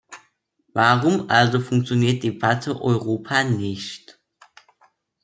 Warum also funktioniert "Debatte Europa" nicht?